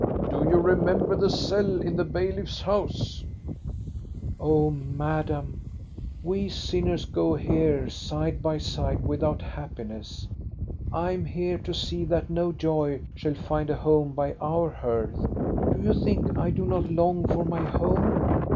Do you remember the cell in the bailiff's house ?"*• Oh, madame, we sinners go here side by side without happiness. I am here to see that no joy shall find a home by our hearth. Do you think I do not long for my home?